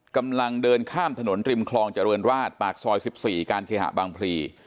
กำลังเดินข้ามถนนริมคลองเจริญราชปากซอย๑๔การเคหะบางพลี